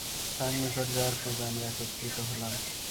তাঁর নিকট যাওয়ার পূর্বে আমরা একত্রিত হলাম।